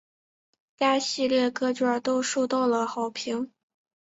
该系列各卷都受到了好评。